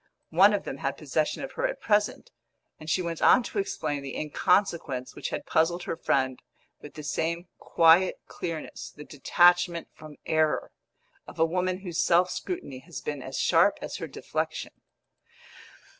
One of them had possession of her at present, and she went on to explain the inconsequence which had puzzled her friend with the same quiet clearness, the detachment from error, of a woman whose self scrutiny has been as sharp as her deflexion.